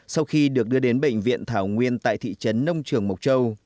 sau khi được đưa đến bệnh viện thảo nguyên tại thị trấn nông trường mộc châu